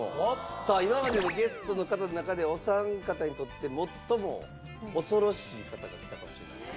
さあ今までのゲストの方の中でお三方にとって最も恐ろしい方が来たかもしれないです。